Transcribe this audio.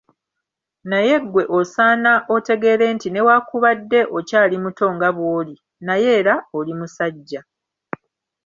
Naye ggwe osaana otegeere nti newakubadde okyali muto nga bw'oli naye era oli musajja.